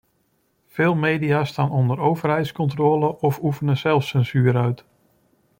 Veel media staan onder overheidscontrole of oefenen zelfcensuur uit.